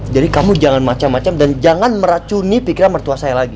jadi kamu jangan macam macam dan jangan meracuni pikiran mertua saya lagi